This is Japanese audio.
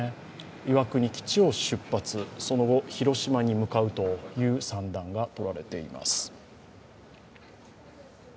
岩国基地を出発、その後、広島に向かうという算段です。